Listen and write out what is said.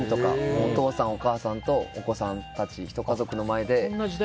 お父さん、お母さんとお子さんたち、１家族の前で。